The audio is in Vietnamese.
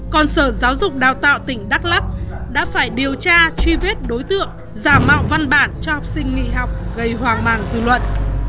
còn sở giáo dục đào tạo tỉnh đắk lắc đã phải điều tra truy vết đối tượng giả mạo văn bản cho học sinh nghỉ học gây hoang màn dư luận